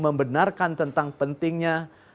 membenarkan tentang pentingnya